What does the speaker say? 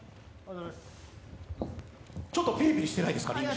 ちょっとピリピリしてないですか？